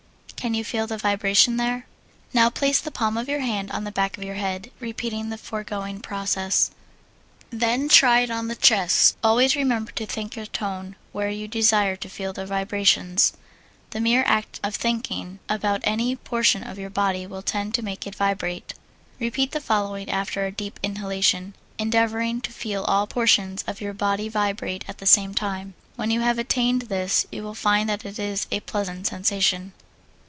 Can you feel the vibration there? Now place the palm of your hand on the back of your head, repeating the foregoing process. Then try it on the chest. Always remember to think your tone where you desire to feel the vibrations. The mere act of thinking about any portion of your body will tend to make it vibrate. Repeat the following, after a deep inhalation, endeavoring to feel all portions of your body vibrate at the same time. When you have attained this you will find that it is a pleasant sensation.